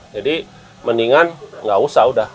jadi mendingan gak usah udah